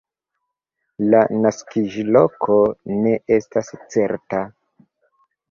La naskiĝloko ne estas certa.